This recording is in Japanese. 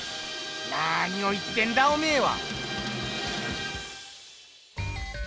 何を言ってんだおめえは！